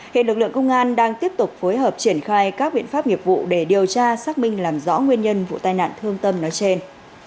hiện lực lượng công an đang tiếp tục phối hợp triển khai các biện pháp nghiệp vụ để điều tra xác minh làm rõ nguyên nhân vụ tai nạn thương tâm nói trên